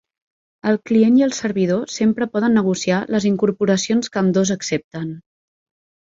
El client i el servidor sempre poden negociar les incorporacions que ambdós accepten.